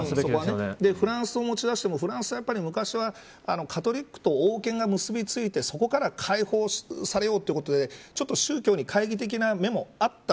フランスを持ち出してもフランスは昔はカトリックと王権が結び付いてそこから解放されようということでちょっと宗教に懐疑的な目もあった